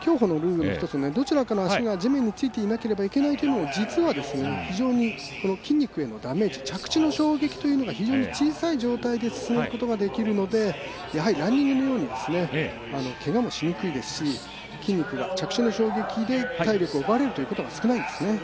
競歩のルールの一つにどちらかの足が地面についていなければいけないというのは実は非常に、筋肉へのダメージ着地の衝撃というのが非常に小さい状態で進むことができるのでやはりランニングのようにけがもしにくいですし筋肉が着地の衝撃で体力を奪われるというのが少ないんですね。